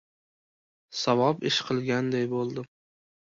Savob ish qilganday bo‘ldim!